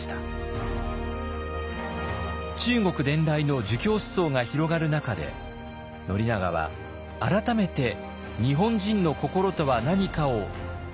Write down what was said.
中国伝来の儒教思想が広がる中で宣長は改めて日本人の心とは何かを問い直したのです。